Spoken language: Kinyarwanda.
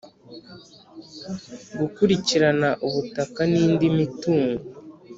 Gukurikirana ubutaka n’indi mitungo